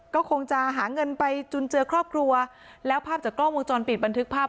ก็คงจะหาเงินไปจุนเจือครอบครัวแล้วภาพจากกล้องวงจรปิดบันทึกภาพ